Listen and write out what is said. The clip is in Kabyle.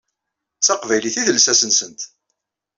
D taqbaylit i d lsas-nsent.